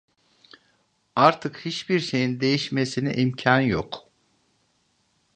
Artık hiçbir şeyin değişmesine imkân yok…